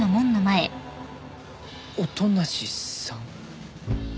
音無さん？